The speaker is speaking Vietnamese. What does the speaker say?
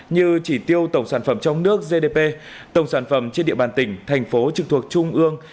như chỉ tiêu tổng sản phẩm trong nước gdp tổng sản phẩm trên địa bàn tỉnh thành phố trực thuộc trung ương